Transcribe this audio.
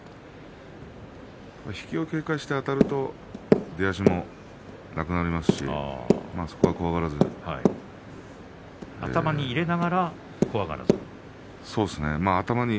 引きを警戒してあたると出足もなくなりますし頭に入れながら怖がらずに。